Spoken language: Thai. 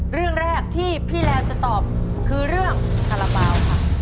เรื่องแรกที่พี่แรมจะตอบคือเรื่องคาราบาลค่ะ